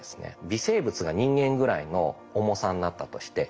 微生物が人間ぐらいの重さになったとして。